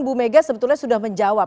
bu mega sebetulnya sudah menjawab